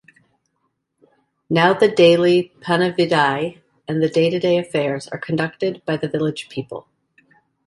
Now the daily Panividai and the day-to-day affairs are conducted by the village people.